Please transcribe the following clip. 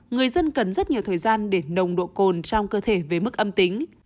người dân cần rất nhiều thời gian để nồng độ cồn trong cơ thể về mức âm tính